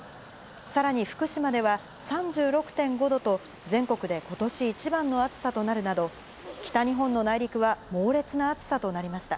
さらに福島では３６．５度と、全国でことし一番の暑さとなるなど、北日本の内陸は猛烈な暑さとなりました。